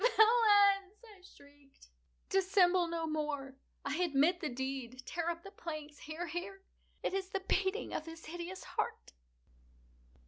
"Villains!" I shrieked, "dissemble no more! I admit the deed!—tear up the planks!—here, here!—It is the beating of his hideous heart!"